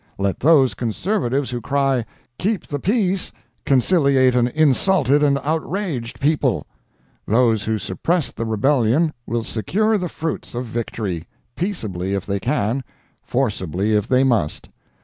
Let those conservatives who cry "keep the peace" conciliate an insulted and outraged people. Those who suppressed the rebellion will secure the fruits of victory—peaceably if they can—forcibly if they must.